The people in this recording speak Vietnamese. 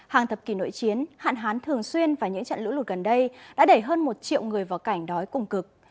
hàng thập kỷ nội chiến hạn hán thường xuyên và những trận lũ lụt gần đây đã đẩy hơn một triệu người vào cảnh đói cùng cực